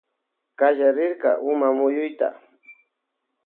Kallarirka umamuyuta.